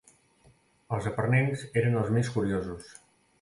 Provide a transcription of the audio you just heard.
Els aprenents eren els més curiosos.